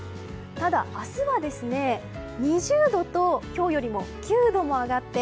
ただ、明日は２０度と今日よりも９度も上がって